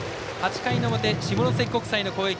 ８回表下関国際の攻撃。